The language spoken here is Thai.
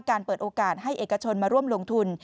เปิดโอกาสให้เอกชนมาร่วมลงทุน